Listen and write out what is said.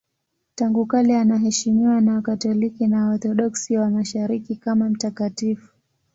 Tangu kale anaheshimiwa na Wakatoliki na Waorthodoksi wa Mashariki kama mtakatifu.